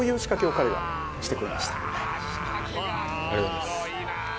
ありがとうございます